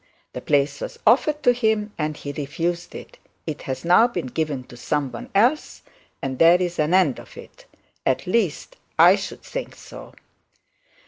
The place was offered to him, and he refused it. It has now been given to someone else, and there's an end of it. At least, I should think so.'